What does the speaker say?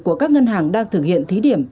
của các ngân hàng đang thực hiện thí điểm